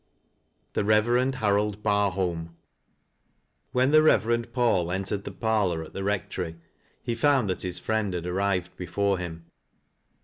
THE BEVEEEND HAEOLD BiEHOLM. y<lajtp. che Eeverend Paul entered the parlor at the Rectory, ae found that his friend had arrived before him.